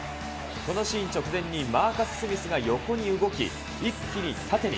このシーン直前にマーカス・スミスが横に動き、一気に縦に。